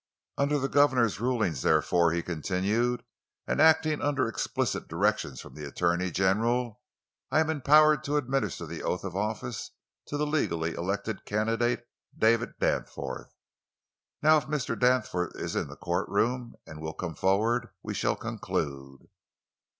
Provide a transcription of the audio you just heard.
"Under the governor's ruling, therefore," he continued, "and acting under explicit directions from the attorney general, I am empowered to administer the oath of office to the legally elected candidate, David Danforth. Now, if Mr. Danforth is in the courtroom, and will come forward, we shall conclude."